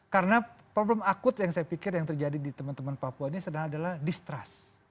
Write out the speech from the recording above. karena problem akut yang saya pikir yang terjadi di teman teman papua ini adalah distrust